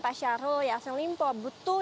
pak syarul ya selimpo butuh